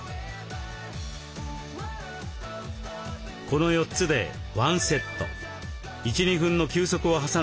この４つで１セット。